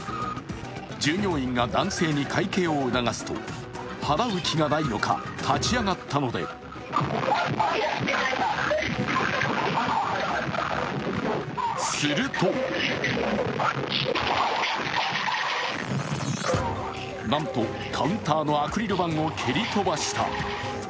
従業員が男性に会計を促すと払う気がないのか、立ち上がったのでするとなんとカウンターのアクリル板を蹴り飛ばした。